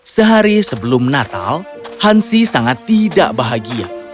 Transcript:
sehari sebelum natal hansi sangat tidak bahagia